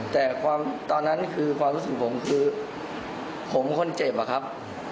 แต่ความตอนนั้นคือความรู้สึกผมคือผมคนเจ็บอะครับ